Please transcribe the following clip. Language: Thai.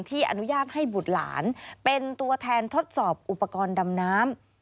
อนุญาตให้บุตรหลานเป็นตัวแทนทดสอบอุปกรณ์ดำน้ำ